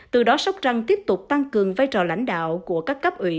từ đó sóc trăng tiếp tục tăng cường vai trò lãnh đạo của các cấp ưu tiên